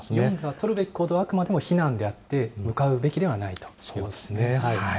取るべきことは、あくまで避難であって、向かうべきではないそうですね。